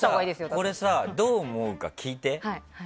これさ、どう思うか聞いて。